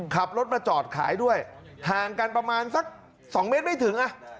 ขับรถมาจอดขายด้วยห่างกันประมาณสัก๒เมตรไม่ถึงอ่ะ